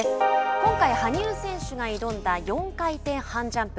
今回羽生選手が挑んだ４回転半ジャンプ。